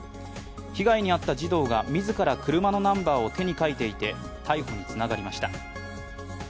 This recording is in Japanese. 被害に遭った児童が自ら車のナンバーを手に書いていて、逮捕につながりました。